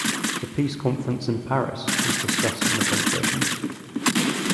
The Peace Conference in Paris was discussed in the conversations.